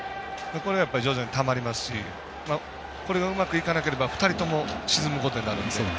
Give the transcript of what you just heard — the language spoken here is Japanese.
これは徐々に、たまりますしこれがうまくいかなければ２人とも沈むことになる。